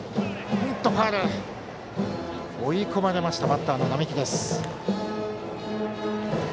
追い込まれましたバッターの双木。